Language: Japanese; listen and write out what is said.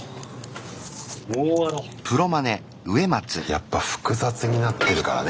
やっぱ複雑になってるからね